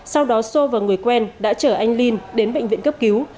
sau đó xô và người quen đã chở anh linh đến bệnh viện cấp cứu